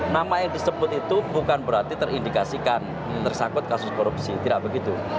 nama yang disebut itu bukan berarti terindikasikan tersangkut kasus korupsi tidak begitu